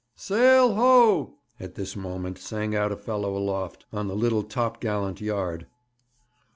'Sail ho!' at this moment sang out a fellow aloft, on the little top gallant yard.